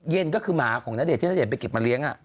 เย็นก็คือหมาที่นาเดชน์ไปเก็บมาเลี้ยง